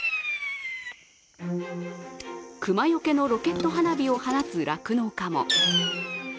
熊よけのロケット花火を放つ酪農家も。